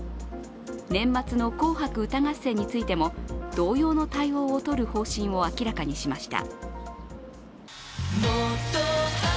年末の「紅白歌合戦」についても、同様の対応を取る方針を明らかにしました。